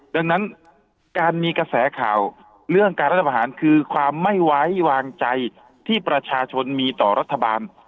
ดังนั้นการมีกระแสข่าวเรื่องการรัฐประหารคือความไม่ไว้วางใจที่ประชาชนมีต่อรัฐบาล